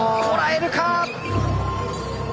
こらえるか。